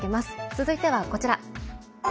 続いては、こちら。